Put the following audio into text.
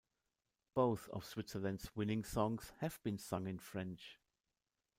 Both of Switzerland's winning songs have been sung in French.